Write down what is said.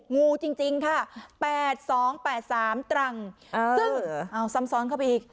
งูจริงจริงค่ะแปดสองแปดสามตรังเออเอาซ้ำซ้อนเข้าไปอีก